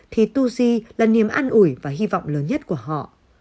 thì tu di là niềm an ủi và hy vọng lớn nhất của họ